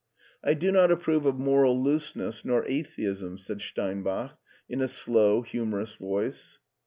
«" I do not approve of moral looseness nor atheism," said Steinbach in a slow, humorous voice.